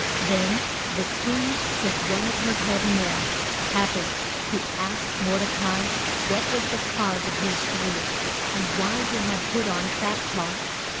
Then the queen sent one of her head men, Ha tach, to ask Mor de ca i what was the cause of his grief, and why he had put on sack cloth.